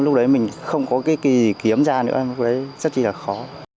lúc đấy mình không có cái gì kiếm ra nữa lúc đấy rất là khó